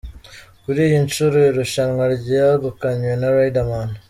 Kuri iyi nshuro irushanwa ryegukanywe na Riderman.